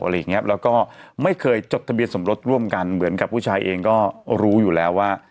แล้วก็ไม่เคยจดทะเบียนสมรสร่วมกันเหมือนกับผู้ชายเองก็รู้อยู่แล้วว่า